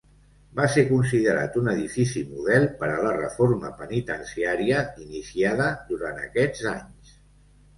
Va ser considerat un edifici model per a la reforma penitenciària iniciada durant aquests anys.